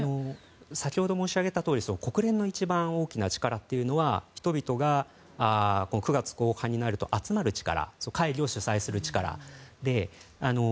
先ほど申し上げたとおり国連の一番大きな力というのは人々が、９月後半になると集まる力、会議を主催する力。